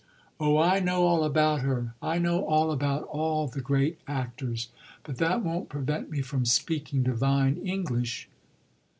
"Oh I know all about her I know all about all the great actors. But that won't prevent me from speaking divine English."